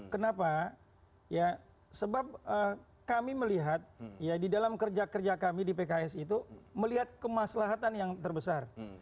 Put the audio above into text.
kenapa ya sebab kami melihat ya di dalam kerja kerja kami di pks itu melihat kemaslahatan yang terbesar